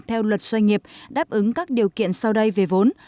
theo luật doanh nghiệp đáp ứng các điều kiện sau đây về vốn